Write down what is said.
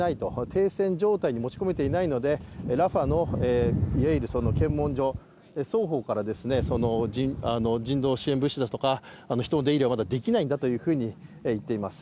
停戦状態に持ち込めていないのでラファのいわゆる検問所、双方から人道支援物資ですとか人の出入りはまだできないんだと言っています。